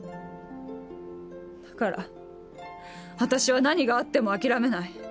だから私は何があっても諦めない。